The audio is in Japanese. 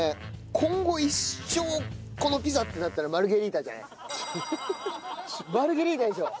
今後一生このピザってなったらマルゲリータでしょ？